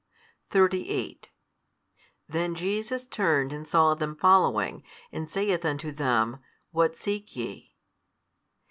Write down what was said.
38 Then Jesus turned and saw them following, and saith unto them, What seek ye?